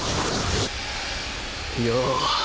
よう